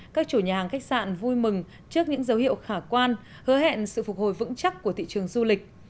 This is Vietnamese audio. các chủ nhà hàng khách sạn vui mừng trước những dấu hiệu khả quan hứa hẹn sự phục hồi vững chắc của thị trường du lịch